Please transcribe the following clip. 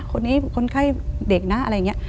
คนนี้คนไข้เด็กนะอะไรอย่างนี้